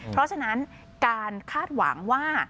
เพราะฉะนั้นการคาดหวังว่า